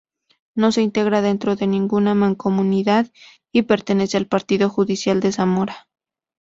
No se integra dentro de ninguna mancomunidad y pertenece al partido judicial de Zamora.